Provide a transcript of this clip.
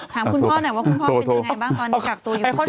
ถามคุณพ่อหน่อยว่าคุณพ่อเป็นยังไงบ้างตอนนี้กักตัวอยู่